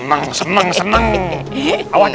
hehehe tenang aja